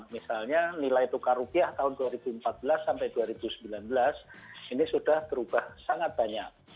misalnya nilai tukar rupiah tahun dua ribu empat belas sampai dua ribu sembilan belas ini sudah berubah sangat banyak